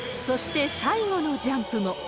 そして最後のジャンプも。